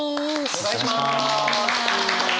お願いします。